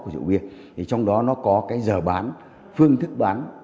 địa điểm bán